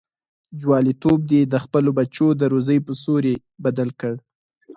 جواليتوب دې د خپلو بچو د روزۍ په سوري بدل کړ.